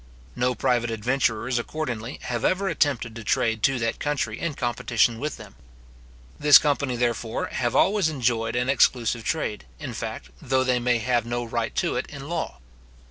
No private adventurers, accordingly, have ever attempted to trade to that country in competition with them. This company, therefore, have always enjoyed an exclusive trade, in fact, though they may have no right to it in law.